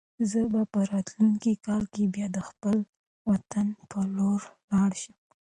زه به په راتلونکي کال کې بیا د خپل وطن په لور لاړ شم.